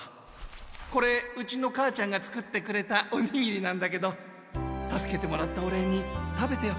これうちの母ちゃんが作ってくれたおにぎりなんだけど助けてもらったお礼に食べてよ。